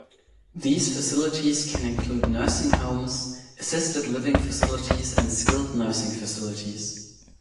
These facilities can include nursing homes, assisted living facilities, and skilled nursing facilities.